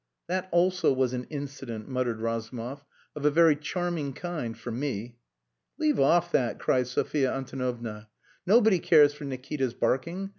"That also was an incident," muttered Razumov, "of a very charming kind for me." "Leave off that!" cried Sophia Antonovna. "Nobody cares for Nikita's barking.